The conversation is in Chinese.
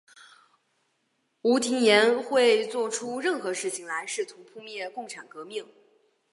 吴廷琰会作出任何事情来试图扑灭共产革命。